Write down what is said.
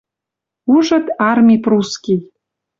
Ужыт, арми прусский